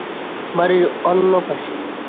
বাড়ির অন্য পাশে।